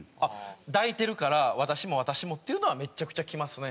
抱いてるから私も私もっていうのはめちゃくちゃきますね。